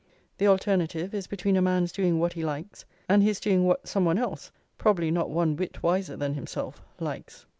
"The alternative is between a man's doing what he likes and his doing what some one else, probably not one whit wiser than himself, likes."